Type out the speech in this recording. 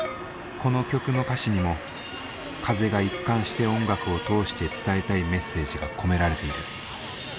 この曲の歌詞にも風が一貫して音楽を通して伝えたいメッセージが込められている。